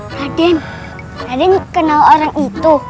raden raden kenal orang itu